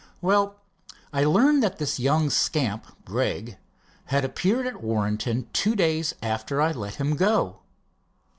"Well, I learned that this young scamp, Gregg, had appeared at Warrenton two days after I let him go."